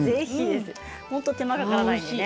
手間がかからないのでね。